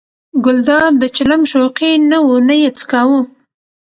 ګلداد د چلم شوقي نه و نه یې څکاوه.